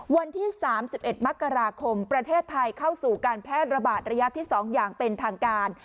วันที่๓๑มกราคมประเทศไทยเข้าสู่การแพร่ระบาดระยะที่๒อย่างเป็นทางการ